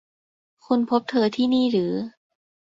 คุณพบเธอที่นี่หรือ